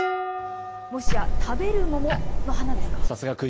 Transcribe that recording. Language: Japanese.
もしや、食べる桃の花ですか？